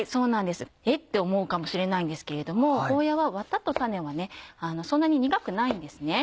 「え？」って思うかもしれないんですけれどもゴーヤはワタと種はそんなに苦くないんですね。